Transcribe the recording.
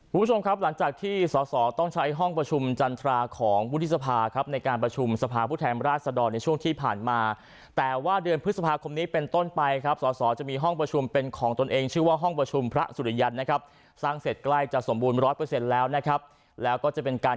คุณผู้ชมครับหลังจากที่สอสอต้องใช้ห้องประชุมจันทราของวุฒิสภาครับในการประชุมสภาพผู้แทนราชดรในช่วงที่ผ่านมาแต่ว่าเดือนพฤษภาคมนี้เป็นต้นไปครับสอสอจะมีห้องประชุมเป็นของตนเองชื่อว่าห้องประชุมพระสุริยันนะครับสร้างเสร็จใกล้จะสมบูรณร้อยเปอร์เซ็นต์แล้วนะครับแล้วก็จะเป็นการ